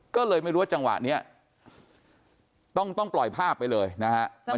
ก็เลยไม่รู้ว่าจังหวะนี้ต้องปล่อยภาพไปเลยนะฮะ